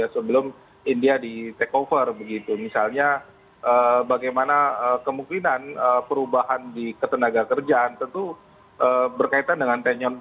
sebelum india di takeover misalnya bagaimana kemungkinan perubahan di ketenaga kerjaan tentu berkaitan dengan industri